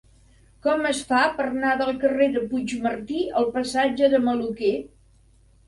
Com es fa per anar del carrer de Puigmartí al passatge de Maluquer?